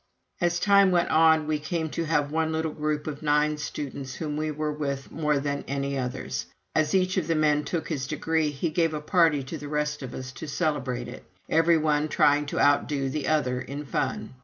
As time went on, we came to have one little group of nine students whom we were with more than any others. As each of the men took his degree, he gave a party to the rest of us to celebrate it, every one trying to outdo the other in fun.